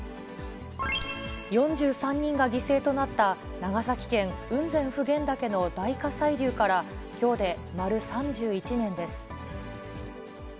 ４３人が犠牲となった長崎県雲仙普賢岳の大火砕流から、きょうで丸３１年です。